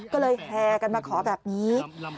ก็เลยแห่กันมาขอแบบนี้